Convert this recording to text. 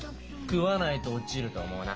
食わないと落ちると思うな。